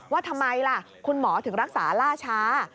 ว่าทำไมล่ะคุณหมอถึงรักษาล่าช้า